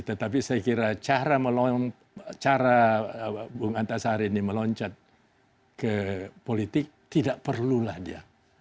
tetapi saya kira cara bung antasari ini meloncat ke politik tidak perlulah dia